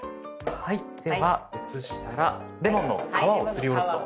はいでは移したらレモンの皮をすりおろすと。